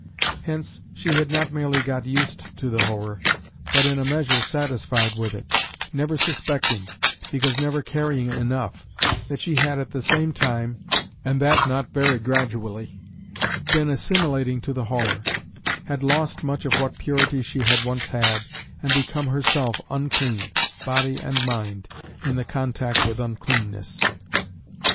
Hence she had not merely got used to the horror, but in a measure satisfied with it; never suspecting, because never caring enough, that she had at the same time, and that not very gradually, been assimilating to the horror; had lost much of what purity she had once had, and become herself unclean, body and mind, in the contact with uncleanness.